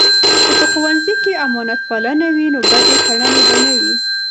که په ښوونځۍ کې امانتپالنه وي، نو بدې کړنې به نه وي.